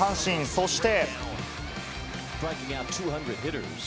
そして。